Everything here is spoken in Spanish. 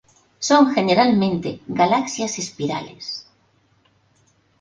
Son generalmente galaxias espirales.